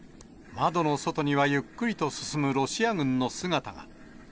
窓の外にはゆっくりと進むロシア軍の姿が。